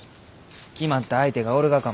決まった相手がおるがかも。